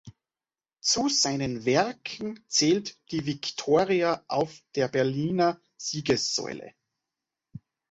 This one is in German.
Zu seinen Werken zählt die Viktoria auf der Berliner Siegessäule.